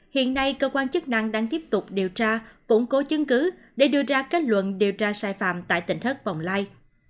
hiện nay cơ quan chức năng đang tiếp tục điều tra củng cố chứng cứ để đưa ra kết luận điều tra sai phạm tại tỉnh thất bồng lai